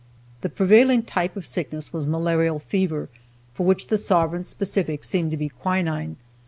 The prevailing type of sickness was malarial fever, for which, the sovereign specific seemed to be quinine.